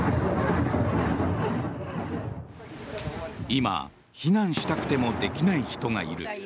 今、避難したくてもできない人がいる。